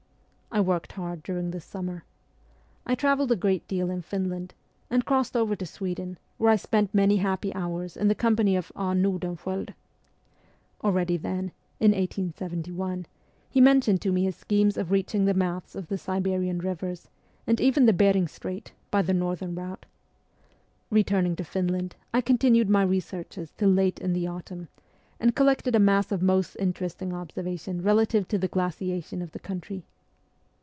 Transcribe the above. I worked hard during this summer. I travelled a great deal in Finland, and crossed over to Sweden, where I spent many happy hours in the com pany of A. Nordenskjold. Already then (in 1871) he mentioned to me his schemes of reaching the mouths of the Siberian rivers, and even the Behring Strait, by the northern route. Eeturning to Finland I continued my researches till late in the autumn, and collected a mass of most interesting observations relative to the glaciation of the country.